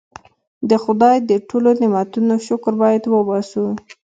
د خدای د ټولو نعمتونو شکر باید وباسو.